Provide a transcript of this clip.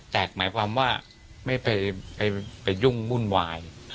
แต่หมายความว่าไม่ไปยุ่งวุ่นวาย